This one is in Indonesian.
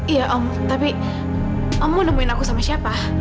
iya om tapi om mau nemuin aku sama siapa